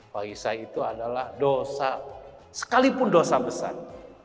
waisai itu adalah dosa sekalipun dosa besar